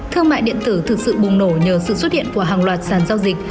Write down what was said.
thương mại điện tử thực sự bùng nổ nhờ sự xuất hiện của hàng loạt sản giao dịch